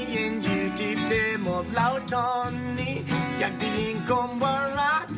เย็นยูทิศเต็มอบเหล่าตอนนี้อยากบิลิ้งความว่ารัก